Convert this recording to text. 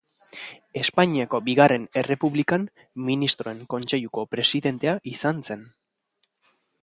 Espainiako Bigarren Errepublikan Ministroen Kontseiluko Presidentea izan zen.